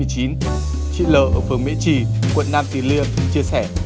chị l ở phường mỹ trì quận nam tì liêm chia sẻ